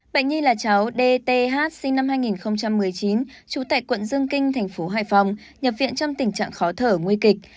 bệnh nhi là cháu d t h sinh năm hai nghìn một mươi chín trụ tại quận dương kinh thành phố hải phòng nhập viện trong tình trạng khó thở nguy kịch